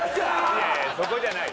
いやいやそこじゃない。